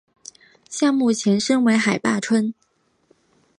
项目前身为海坝村。